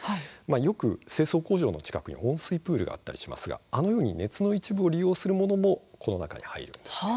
よく清掃工場の近くに温水プールがあったりしますがあのように熱の一部を利用するものもこの中に入るんです。